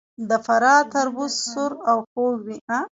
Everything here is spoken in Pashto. د فراه تربوز سور او خوږ وي.